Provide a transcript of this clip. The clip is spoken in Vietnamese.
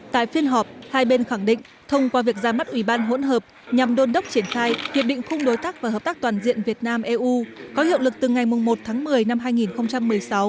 tại phiên họp hai bên khẳng định thông qua việc ra mắt ủy ban hỗn hợp nhằm đôn đốc triển khai hiệp định khung đối tác và hợp tác toàn diện việt nam eu có hiệu lực từ ngày một tháng một mươi năm hai nghìn một mươi sáu